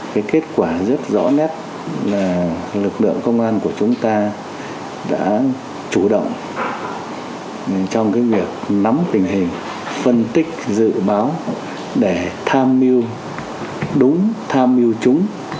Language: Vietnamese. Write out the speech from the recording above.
cái kết quả rất rõ nét là lực lượng công an của chúng ta đã chủ động trong cái việc nắm tình hình phân tích dự báo để tham mưu đúng tham mưu chúng